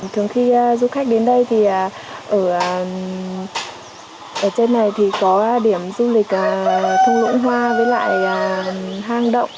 thường khi du khách đến đây thì ở trên này thì có điểm du lịch thu ngưỡng hoa với lại hang động